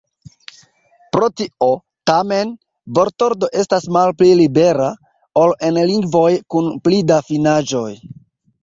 Pro tio, tamen, vortordo estas malpli libera, ol en lingvoj kun pli da finaĵoj.